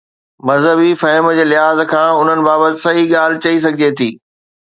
مذهبي فهم جي لحاظ کان انهن بابت صحيح ڳالهه چئي سگهجي ٿي.